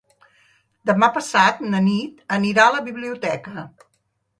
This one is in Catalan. Demà passat na Nit anirà a la biblioteca.